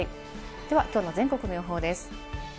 ではきょうの全国の予報です。